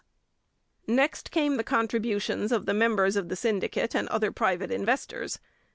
Next came the contributions of the members of the syndicate and other private investors.